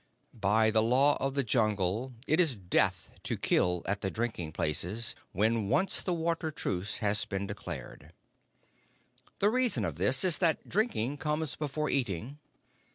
By the Law of the Jungle it is death to kill at the drinking places when once the Water Truce has been declared. The reason of this is that drinking comes before eating.